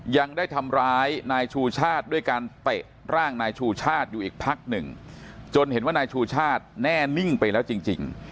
ยังได้ทำร้ายนายชูชาติด้วยการเตะร่างนายชูชาติอยู่อีกพักหนึ่งจนเห็นว่านายชูชาติแน่นิ่งไปแล้วจริง